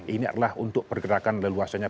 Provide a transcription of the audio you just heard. ini adalah untuk pergerakan leluasanya